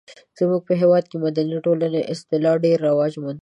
زموږ په هېواد کې د مدني ټولنې اصطلاح ډیر رواج موندلی دی.